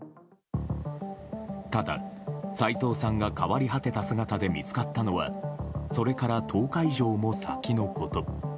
ただ、斎藤さんが変わり果てた姿で見つかったのはそれから１０日以上も先のこと。